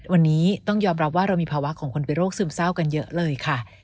วันนี้ต้องยอมรับว่าเรามีภาวะของคนเป็นโรคซึมเศร้ากันเยอะเลยค่ะ